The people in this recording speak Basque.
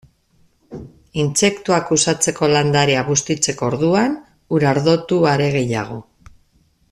Intsektuak uxatzeko landarea bustitzeko orduan, urardotu are gehiago.